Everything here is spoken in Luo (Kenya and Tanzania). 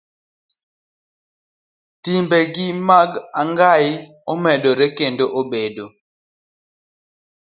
Timbe mag ng'ai omedore kendo obedo